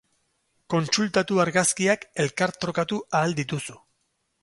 Kontsultatu argazkiak elkartrukatu ahal dituzu.